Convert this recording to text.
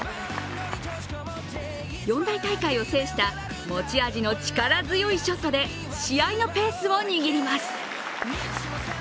四大大会を制した、持ち味の力強いショットで試合のペースを握ります。